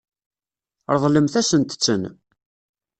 Ṛeḍlemt-asent-ten.